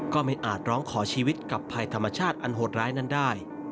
ไม่อาจร้องขอชีวิตกับภัยธรรมชาติอันโหดร้ายนั้นได้